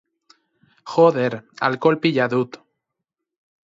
Joder, alkohol pila dut.